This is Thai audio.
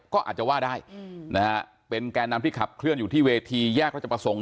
ก็อาจจะว่าได้นะฮะเป็นแก่นำที่ขับเคลื่อนอยู่ที่เวทีแยกราชประสงค์